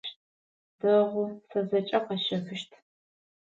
Дэгъу, сэ зэкӏэ къэсщэфыщт.